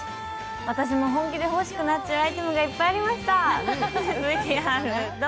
私も本気で欲しくなっちゃうアイテムがいっぱいありました！